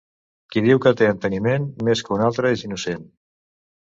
Qui diu que té enteniment més que un altre, és innocent.